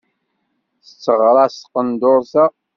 Tetteɣraṣ tqendurt-a.